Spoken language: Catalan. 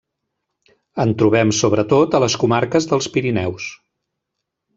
En trobem sobretot a les comarques dels Pirineus.